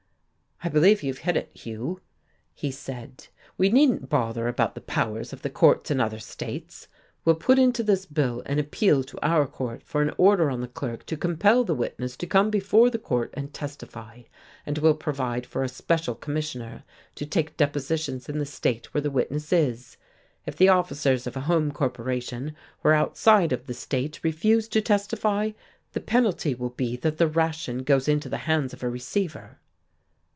"I believe you've hit it, Hugh," he said. "We needn't bother about the powers of the courts in other states. We'll put into this bill an appeal to our court for an order on the clerk to compel the witness to come before the court and testify, and we'll provide for a special commissioner to take depositions in the state where the witness is. If the officers of a home corporation who are outside of the state refuse to testify, the penalty will be that the ration goes into the hands of a receiver."